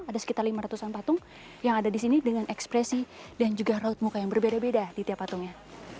ada sekitar lima ratus an patung yang ada di sini dengan ekspresi dan juga raut muka yang berbeda beda di tiap patungnya